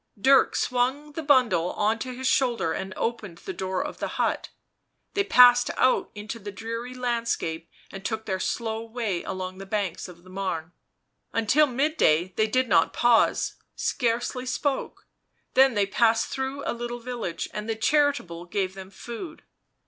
..." Dirk swung the bundle on to his shoulder and opened the door of the hut. They passed out into the dreary landscape aiid took their slow way along the banks of the Marne. Until midday they did not pause, scarcely spoke ; then they passed through a little village, and the charitable gave them food.